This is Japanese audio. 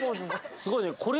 すごいね。